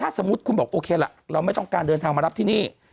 สมมุติคุณบอกโอเคล่ะเราไม่ต้องการเดินทางมารับที่นี่